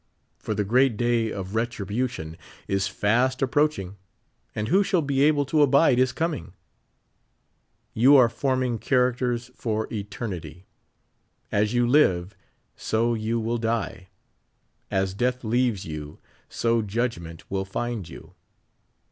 For the great day of retribution is fast approaching, and who shall be able to abide his coming ? You are forming characters for eternity. As you live, so you will die ; as death leaves you, so Judgment will find you.